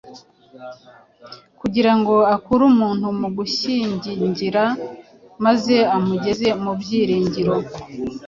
kugira ngo akure umuntu mu gusyigingira maze amugeze mu byiringiro,